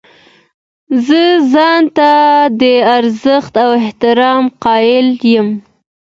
زه ځان ته د ارزښت او احترام قایل یم.